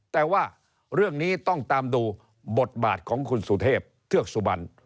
แต่ว่าเรื่องนี้ต้องตามดูบทบาทของคุณสุเทพเทือกสุบัน